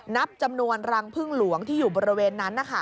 นับจำนวนรังพึ่งหลวงที่อยู่บริเวณนั้น